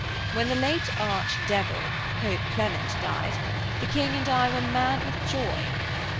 When the late Arch Devil, Pope Clement, died, the King and I were mad with joy.